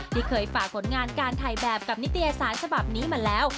ที่เคยฝากผลงานการถ่ายแบบกับนิตยสารฉบับนี้มาแล้ว